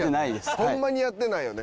ホンマにやってないよね？